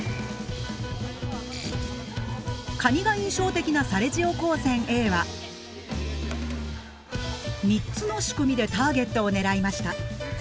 カニが印象的なサレジオ高専Ａは３つの仕組みでターゲットを狙いました。